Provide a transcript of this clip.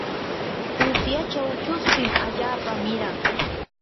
usyachaw chuspin allaapa miran.